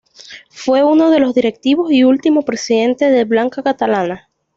Fue uno de los directivos y último presidente de Banca Catalana.